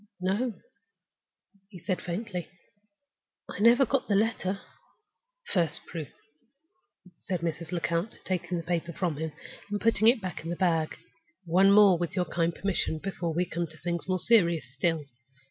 "No," he said, faintly; "I never got the letter." "First proof!" said Mrs. Lecount, taking the paper from him, and putting it back in the bag. "One more, with your kind permission, before we come to things more serious still.